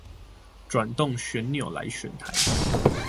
轉動旋鈕來選台